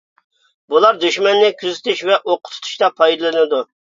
بۇلار دۈشمەننى كۆزىتىش ۋە ئوققا تۇتۇشتا پايدىلىنىدۇ.